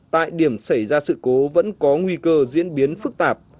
tại điểm xảy ra sự cố vẫn có nguy cơ diễn biến phức tạp